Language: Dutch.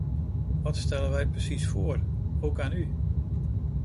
Wat stellen wij precies voor, ook aan u?